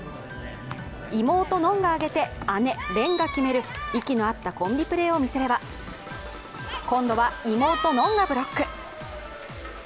妹・穏が上げて姉・恋が決める息の合ったコンビプレーを見せれば今度は妹・穏がブロック。